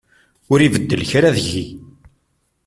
Ur ibeddel kra deg-i.